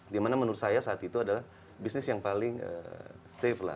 dimana menurut saya saat itu adalah bisnis yang paling safe lah